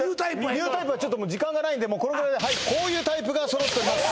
ニュータイプはちょっと時間がないんでこのぐらいではいこういうタイプが揃っております